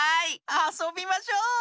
あそびましょう！